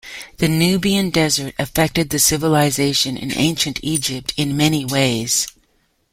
The Nubian Desert affected the civilization in ancient Egypt in many ways.